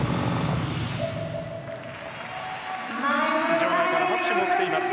場内から拍手も起きています。